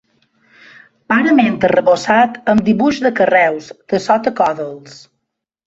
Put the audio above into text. Parament arrebossat amb dibuix de carreus, dessota còdols.